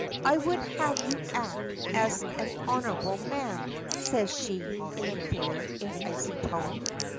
"I would have you act as an honorable man," says she, in a clear, if icy tone.